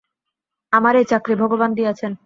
আমার এ চাকরি ভগবান দিয়াছেন।